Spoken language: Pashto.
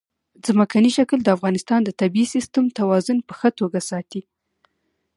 ځمکنی شکل د افغانستان د طبعي سیسټم توازن په ښه توګه ساتي.